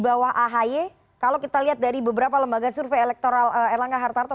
bawah ahi kalau kita lihat dari beberapa lembaga survei elektoral erlangga hartarto